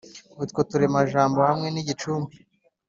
Utwo turemajambo hamwe n’igicumbi